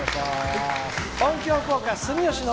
音響効果、住吉昇。